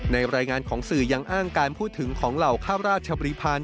รายงานของสื่อยังอ้างการพูดถึงของเหล่าข้าราชบริพาณ